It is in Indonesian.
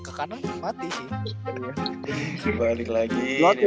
ke kanan mati balik lagi